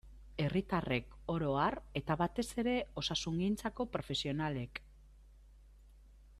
Herritarrek oro har, eta batez osasungintzako profesionalek.